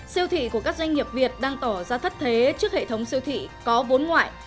siêu thị của các doanh nghiệp việt đang tỏ ra thất thế trước hệ thống siêu thị có vốn ngoại